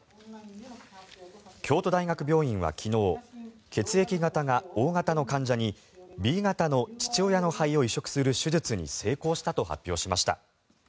京都大学病院は昨日血液型がＯ型の患者にＢ型の父親の肺を移植する手術に成功したと発表しました。